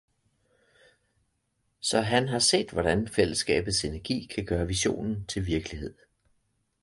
Så han har set hvordan fællesskabets energi kan gøre visionen til virkelighed.